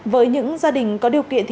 với những gia đình có điều kiện